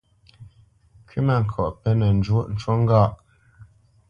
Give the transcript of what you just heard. Kywítmâŋkɔʼ penə́ njwōʼ, ncú ŋgâʼ.